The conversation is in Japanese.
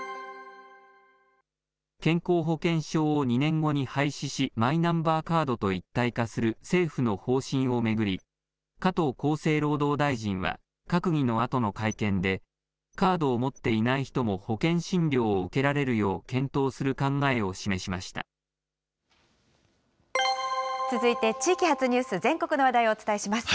健康保険証を２年後に廃止し、マイナンバーカードと一体化する政府の方針を巡り、加藤厚生労働大臣は、閣議のあとの会見で、カードを持っていない人も保険診療を受けられるよう、検討する考続いて、地域発ニュース、全国の話題をお伝えします。